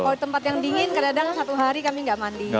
kalau di tempat yang dingin kadang kadang satu hari kami nggak mandi